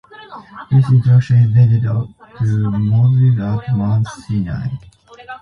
This instruction is dated to Moses at Mount Sinai.